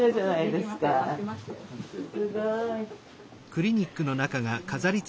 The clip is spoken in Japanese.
すごい。